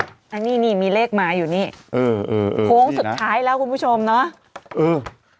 อันนี้นี่มีเลขมาอยู่นี่เออเออโค้งสุดท้ายแล้วคุณผู้ชมเนอะเออ